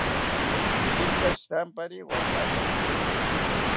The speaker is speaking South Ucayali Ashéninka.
Irika shirampari wathataki